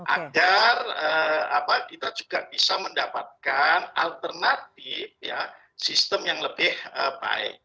agar kita juga bisa mendapatkan alternatif sistem yang lebih baik